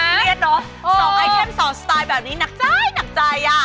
เรียดเนอะ๒ไอเทม๒สไตล์แบบนี้หนักใจอ่ะ